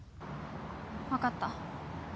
分かった。